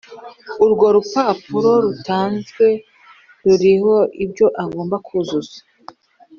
urwo rupapuro rutanzwe ruriho ibyo agomba kuzuza